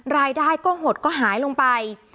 รายได้ก็หดก็หายลงไป